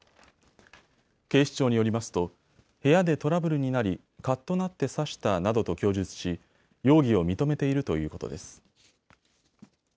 警視庁によりますと部屋でトラブルになり、かっとなって刺したなどと供述し容疑を認めているということです。